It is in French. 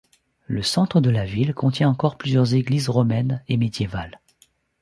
Le centre de la ville contient encore plusieurs églises romaines et médiévales.